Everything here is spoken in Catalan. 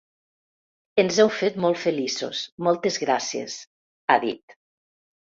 “Ens heu fet molt feliços, moltes gràcies”, ha dit.